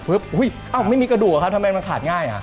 อุ้ยไม่มีกระดูกเหรอครับทำไมมันขาดง่าย